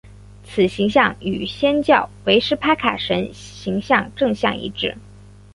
此形象与祆教维施帕卡神形像正相一致。